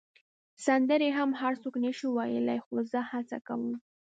سندرې هم هر څوک نه شي ویلای، خو زه هڅه کوم.